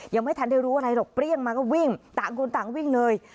ยังไม่ทันได้รู้อะไรหรอกเปรี้ยงมาก็วิ่งต่างคนต่างวิ่งเลย